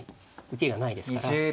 受けがないですから。